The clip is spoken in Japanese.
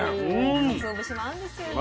かつお節も合うんですよね。